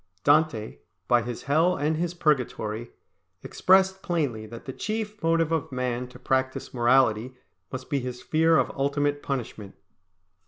Dante, by his Hell and his Purgatory, expressed plainly that the chief motive of man to practise morality must be his fear of ultimate punishment.